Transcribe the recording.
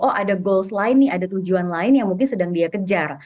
oh ada goals lain nih ada tujuan lain yang mungkin sedang dia kejar